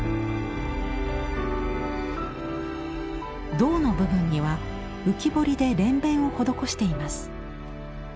胴の部分には浮き彫りで蓮弁を施しています。